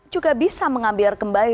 juga bisa mengambil kembali